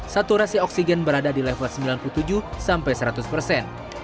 saturasi oksigen berada di level sembilan puluh tujuh sampai seratus persen